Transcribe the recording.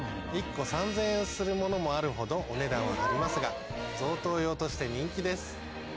するものもあるほどお値段は張りますが贈答用として人気です。